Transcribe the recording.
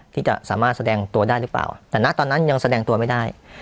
ที่จะสามารถแสดงตัวได้หรือเปล่าแต่ณตอนนั้นยังแสดงตัวไม่ได้